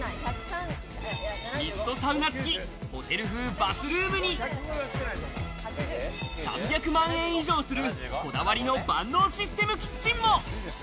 ミストサウナつき、ホテル風バスルームに、３００万円以上するこだわりの万能システムキッチンも。